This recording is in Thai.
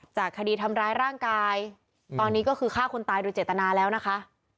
คดีทำร้ายร่างกายตอนนี้ก็คือฆ่าคนตายโดยเจตนาแล้วนะคะ